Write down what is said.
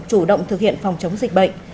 chủ động thực hiện phòng chống dịch bệnh